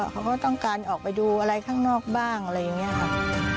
เขาก็ต้องการออกไปดูอะไรข้างนอกบ้างอะไรอย่างนี้ค่ะ